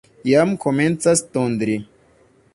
Jam komencas tondri.